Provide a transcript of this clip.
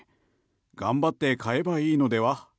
頑張って買えばいいのでは？